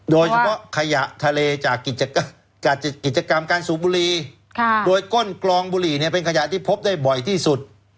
โดยเฉพาะขยะทะเลจากกิจกรรมการสูบบุรีโดยก้นกลองบุหรี่เป็นขยะที่พบได้บ่อยที่สุด